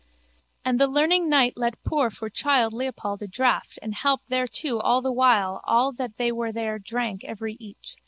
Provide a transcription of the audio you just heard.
And the learning knight let pour for childe Leopold a draught and halp thereto the while all they that were there drank every each.